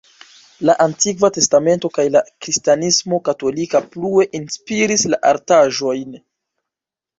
La Antikva Testamento kaj la kristanismo katolika plue inspiris la artaĵojn.